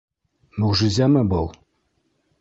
Мөғжизәме был?